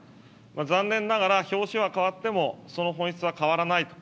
残念ながら、表紙は変わってもその本質は変わらない。